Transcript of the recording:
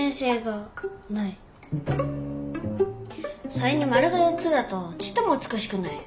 それに「丸が４つ」だとちっとも美しくない。